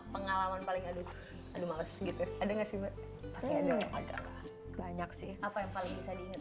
pengalaman paling aduh aduh males gitu ada nggak sih mbak pasti aduh ada banyak sih apa yang paling bisa diingat